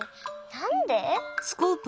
なんで？